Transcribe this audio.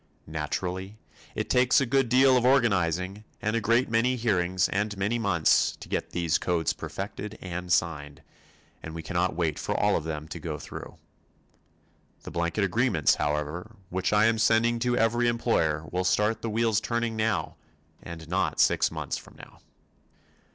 Naturally, it takes a good deal of organizing and a great many hearings and many months, to get these codes perfected and signed, and we cannot wait for all of them to go through. The blanket agreements, however, which I am sending to every employer will start the wheels turning now, and not six months from now.